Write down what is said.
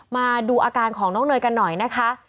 มาดูอาการของน้องเนยกันหน่อยนะคะ